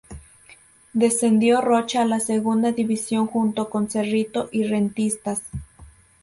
Descendió Rocha a la Segunda división junto con Cerrito y Rentistas.